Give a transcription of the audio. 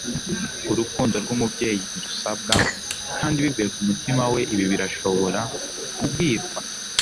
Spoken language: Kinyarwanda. urukundo rwumubyeyi ntirusabwa, kandi bivuye kumutima we ibi birashobora kubwirwa